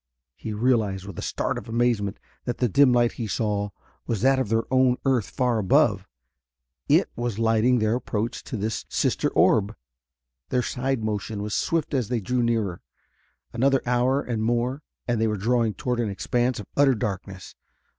He realized with a start of amazement that the dim light he saw was that of their own earth far above: it was lighting their approach to this sister orb. Their side motion was swift as they drew nearer. Another hour and more, and they were drawing toward an expanse of utter darkness.